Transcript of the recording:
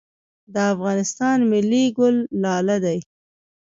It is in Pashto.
د افغانستان ملي ګل لاله دی